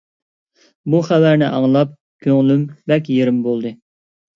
بۇ خەۋەرنى ئاڭلاپ كۆڭلۈم بەك يېرىم بولدى.